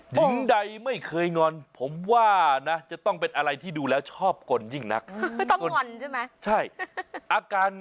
หญิงใดไม่เคยงอนผมว่านะจะต้องเป็นอะไรที่ดูแล้วชอบกลยิ่งนัก